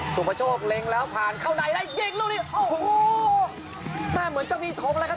สุดพะโชคเล็งแล้วผ่านเข้าในแล้วเย็นโอ้โหหน้าเหมือนจะมีธมแล้วครับ